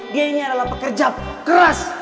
dia ini adalah pekerja keras